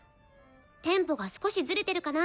テンポが少しズレてるかな。